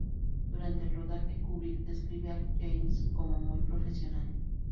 Durante el rodaje, Kubrick describe a James como muy profesional.